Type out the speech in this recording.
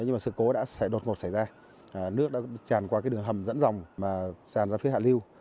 nhưng mà sự cố đã đột ngột xảy ra nước đã tràn qua đường hầm dẫn dòng và tràn ra phía hạ lưu